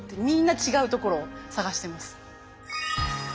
みんな違うところを探してます。